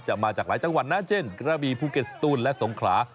มาจากหลายจังหวัดนะเช่นกระบีภูเก็ตสตูนและสงขลา